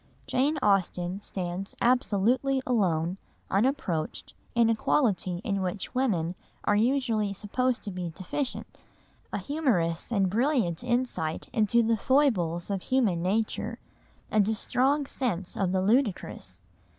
Jane Austen stands absolutely alone, unapproached, in a quality in which women are usually supposed to be deficient, a humorous and brilliant insight into the foibles of human nature, and a strong sense of the ludicrous.